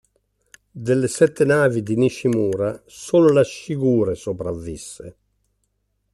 Delle sette navi di Nishimura, solo la "Shigure" sopravvisse.